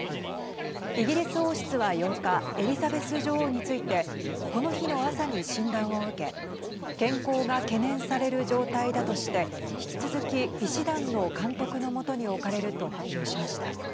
イギリス王室は、８日エリザベス女王についてこの日の朝に診断を受け健康が懸念される状態だとして引き続き、医師団の監督の下に置かれると発表しました。